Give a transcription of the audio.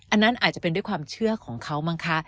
อันนั้นอาจจะเป็นด้วยความเชื่อของเขามั้งคะ